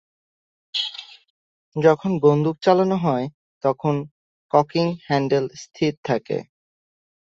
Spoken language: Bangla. যখন বন্দুক চালানো হয় তখন ককিং হ্যান্ডেল স্থির থাকে।